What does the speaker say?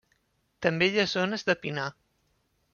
També hi ha zones de pinar.